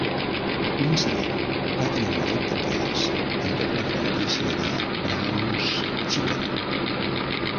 L'incident va tenir un efecte advers en tota la franquícia de Brown's Chicken.